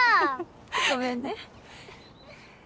ごめんね。